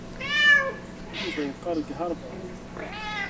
Yuba yeqqar deg Harvard.